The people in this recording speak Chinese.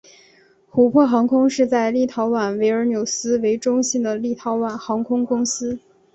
琥珀航空是在立陶宛维尔纽斯为中心的立陶宛航空公司。